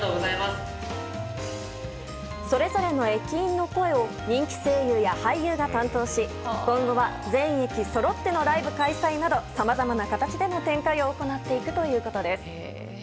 それぞれの駅員の声を人気声優や俳優が担当し今後は全駅そろってのライブ開催などさまざまな形での展開を行っていくということです。